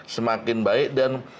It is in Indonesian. semakin baik dan